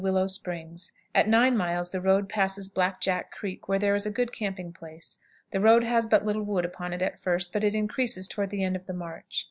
Willow Springs. At nine miles the road passes "Black Jack Creek," where there is a good camping place. The road has but little wood upon it at first, but it increases toward the end of the march.